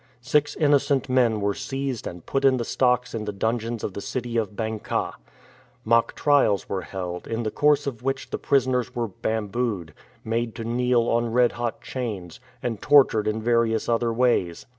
Six innocent men were seized and put in the stocks in the dungeons of the city of Bang kah. Mock trials were held, in the course of which the prisoners were bambooed, made to kneel on red hot chains, and tortured in various other ways.